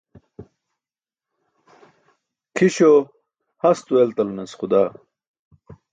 Kʰiśo hasto eltalanas xudaa.